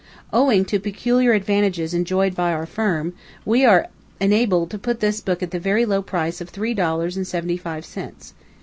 Owing to peculiar advantages enjoyed by our firm, we are enabled to put this book at the very low price of three dollars and seventy five cents.